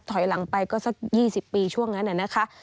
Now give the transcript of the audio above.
ถอยหลังไปก็สัก๒๐ปีช่วงนั้นนะคะ